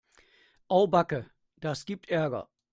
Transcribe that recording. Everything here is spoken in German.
Au backe, das gibt Ärger.